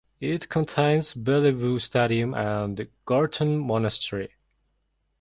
It contains Belle Vue Stadium and Gorton Monastery.